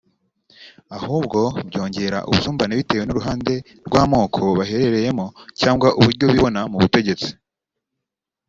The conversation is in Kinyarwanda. ahubwo byongera ubusumbane bitewe n’uruhande rw’amoko baherereyemo cyangwa uburyo bibona mubutegetsi